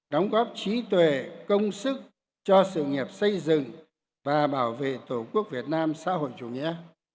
đóng góp trí tuệ công sức cho sự nghiệp xây dựng và bảo vệ tổ quốc việt nam xã hội chủ nghĩa